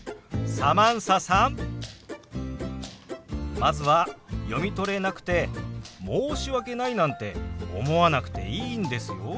まずは読み取れなくて申し訳ないなんて思わなくていいんですよ。